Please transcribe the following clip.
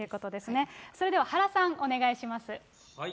それでは原さん、お願いします。